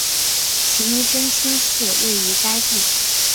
奇尼清真寺位于该地。